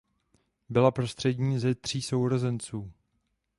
Byla prostřední ze tří sourozenců.